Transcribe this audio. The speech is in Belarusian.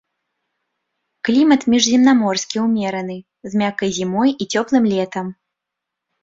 Клімат міжземнаморскі ўмераны з мяккай зімой і цёплым летам.